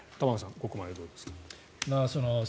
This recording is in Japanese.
ここまででどうですか？